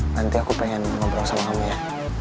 nanti aku pengen ngobrol sama kamu ya